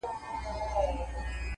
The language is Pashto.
عاجزي د لوی انسان نښه ده’